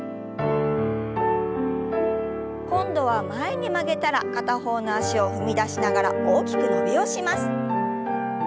今度は前に曲げたら片方の脚を踏み出しながら大きく伸びをします。